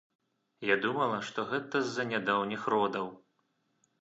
Я думала, што гэта з-за нядаўніх родаў.